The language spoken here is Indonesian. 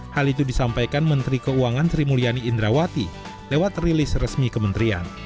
hal itu disampaikan menteri keuangan sri mulyani indrawati lewat rilis resmi kementerian